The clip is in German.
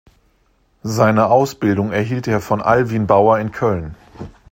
Seine Ausbildung erhielt er von Alwin Bauer in Köln.